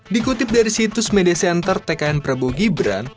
dikutip dari situs media center tkn prabowo gibran